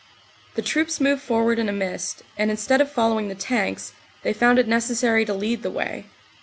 The troops moved forward in a mist, and instead of fol lowing the tanks, they found it necessary to lead the way.